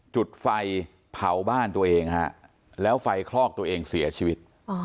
จุดไฟเผาบ้านตัวเองฮะแล้วไฟคลอกตัวเองเสียชีวิต